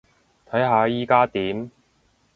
睇下依加點